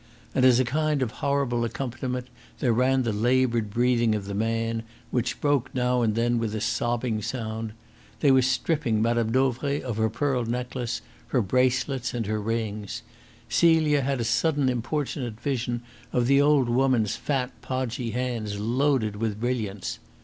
And as a kind of horrible accompaniment there ran the laboured breathing of the man, which broke now and then with a sobbing sound. They were stripping Mme. Dauvray of her pearl necklace, her bracelets, and her rings. Celia had a sudden importunate vision of the old woman's fat, podgy hands loaded with brilliants.